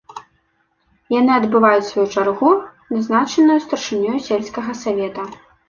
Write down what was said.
Яны адбываюць сваю чаргу, назначаную старшынёю сельскага савета.